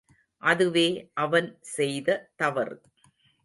அதுவே அவன் செய்த தவறு.